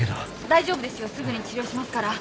大丈夫ですよすぐに治療しますから。